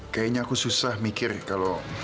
kayaknya aku susah mikir kalau